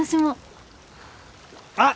あっ！